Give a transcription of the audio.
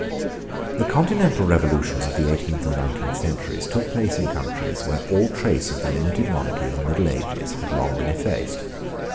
The continental revolutions of the eighteenth and nineteenth centuries took place in countries where all trace of the limited monarchy of the middle ages had long been effaced.